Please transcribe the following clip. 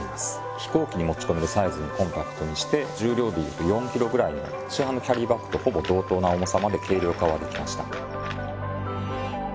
飛行機に持ち込めるサイズにコンパクトにして重量でいうと４ｋｇぐらい市販のキャリーバッグとほぼ同等な重さまで軽量化はできました